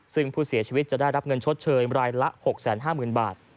ซึ่งผู้เสียชีวิตจะได้รับเงินชดเชยรายละ๖๕๐๐๐บาท